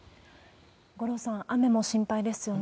五郎さん、雨も心配ですよね。